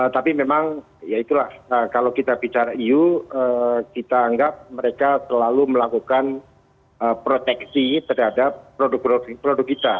tapi memang ya itulah kalau kita bicara eu kita anggap mereka selalu melakukan proteksi terhadap produk produk kita